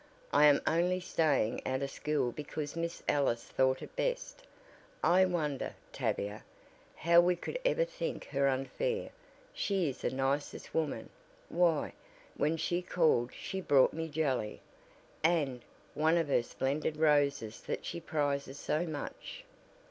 I am only staying out of school because Miss Ellis thought it best. I wonder, Tavia, how we could ever think her unfair. She is the nicest woman why, when she called she brought me jelly, and one of her splendid roses that she prizes so much.